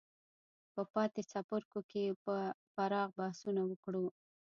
په پاتې څپرکو کې به پراخ بحثونه وکړو.